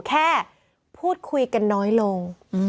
แค่พูดคุยกันน้อยลง